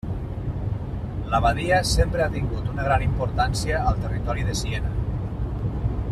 L'abadia sempre ha tingut una gran importància al territori de Siena.